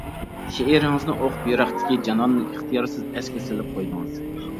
شېئىرىڭىزنى ئوقۇپ يىراقتىكى جاناننى ئىختىيارسىز ئەسكە سېلىپ قويدىڭىز.